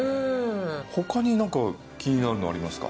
他になんか気になるのありますか？